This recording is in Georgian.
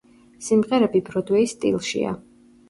სიმღერები ბროდვეის სტილშია.